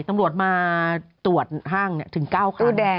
ตำรวจมาตรวจห้างถึง๙๙